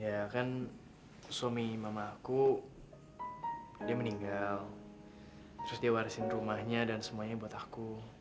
ya kan suami mama aku dia meninggal terus dia warisin rumahnya dan semuanya buat aku